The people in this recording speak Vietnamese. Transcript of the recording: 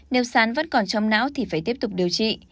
nếu sán vẫn còn trong não thì phải tiếp tục điều trị